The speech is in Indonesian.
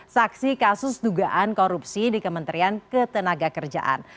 saksi kasus dugaan korupsi di kementerian ketenagakerjaan